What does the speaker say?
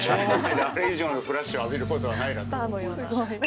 あれ以上のフラッシュを浴びることはないなと思いました。